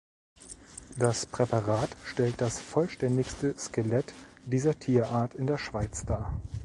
Das Präparat stellt das vollständigste Skelett dieser Tierart in der Schweiz dar.